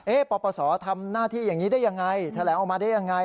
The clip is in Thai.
ปปศทำหน้าที่อย่างนี้ได้ยังไงแถลงออกมาได้ยังไง